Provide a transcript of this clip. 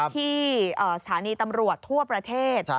ที่สถานีตำรวจทั่วประเทศ